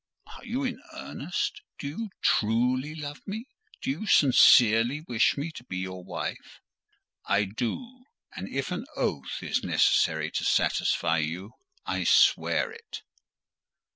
"Are you in earnest? Do you truly love me? Do you sincerely wish me to be your wife?" "I do; and if an oath is necessary to satisfy you, I swear it."